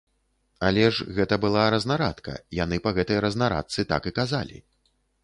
Але ж гэта была разнарадка, яны па гэтай разнарадцы так і казалі.